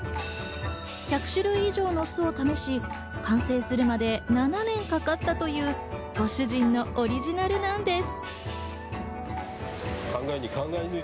１００種類以上の酢を試し、完成するまで７年かかったという、ご主人オリジナルなんです。